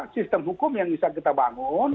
sistem hukum yang bisa kita bangun